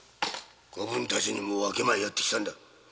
子分たちにも分け前をやってきたんだ。